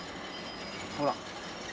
ほら。